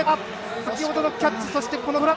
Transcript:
先ほどのキャッチ、トライ。